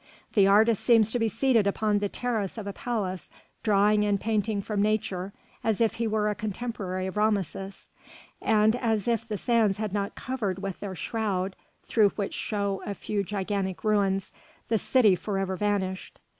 The artist seems to be seated upon the terrace of a palace, drawing and painting from nature as if he were a contemporary of Rameses, and as if the sands had not covered with their shroud, through which show a few gigantic ruins, the city forever vanished.